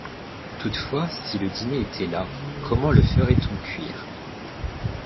Toutefois si le dîner était là, comment le ferait-on cuire?